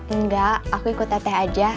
enggak aku ikut teteh aja